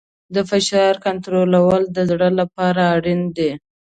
د فشار کنټرول د زړه لپاره اړین دی.